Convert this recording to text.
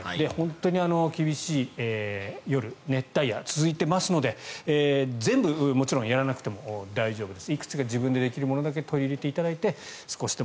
本当に厳しい夜、熱帯夜が続いていますので全部、もちろんやらなくても大丈夫です。